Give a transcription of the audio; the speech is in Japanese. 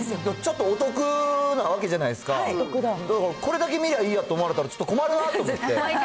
ちょっとお得なわけじゃないですか、だからこれだけ見ればいいやと思われたらちょっと困るなと思って。